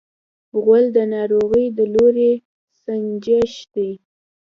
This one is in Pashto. غول د ناروغۍ د لوری سنجش دی.